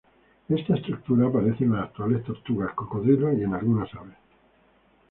Esta estructura aparece en las actuales tortugas, cocodrilos y en algunas aves.